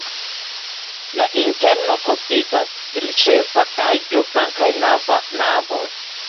La interno konsistas el ĉefa kaj du flankaj navoj.